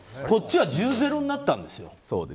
こっちは１０：０になったんですよ。